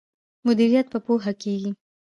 مدیریت په پوهه کیږي.